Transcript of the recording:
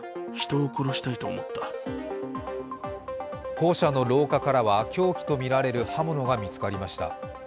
校舎の廊下からは凶器とみられる刃物が見つかりました。